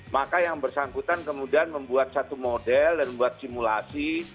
maka yang bersangkutan kemudian membuat satu model dan membuat simulasi